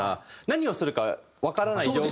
何をするかわからない状況で。